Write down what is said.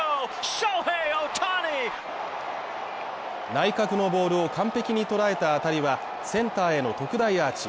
内角のボールを完璧に捉えた当たりはセンターへの特大アーチ。